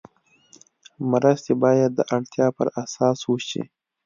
مرستې باید د اړتیا پر اساس وشي.